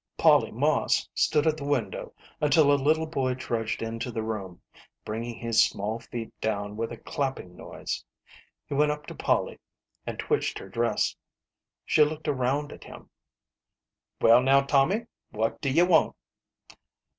Polly Moss stood at the window until a little boy trudged into the room, bringing his small feet down with a clapping noise. He went up to Polly and twitched her dress. She looked around at him. " Well, now, Tommy, what do ye want